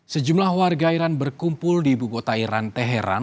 sejumlah warga iran berkumpul di buku kota iran teheran